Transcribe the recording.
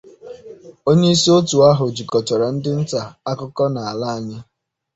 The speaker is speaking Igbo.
onyeisi òtù ahụ jikọtara ndị nta akụkọ n'ala anyị